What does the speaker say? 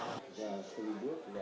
thị trường lao dụng đại học